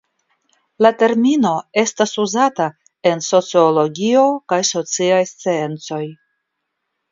La termino estas uzata en sociologio kaj sociaj sciencoj.